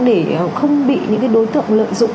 để không bị những đối tượng lợi dụng